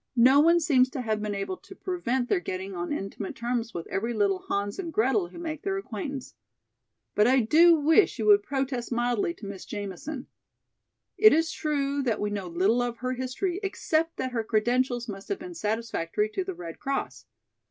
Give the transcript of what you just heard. No one seems to have been able to prevent their getting on intimate terms with every little Hans and Gretel who makes their acquaintance. But I do wish you would protest mildly to Miss Jamison. It is true that we know little of her history except that her credentials must have been satisfactory to the Red Cross.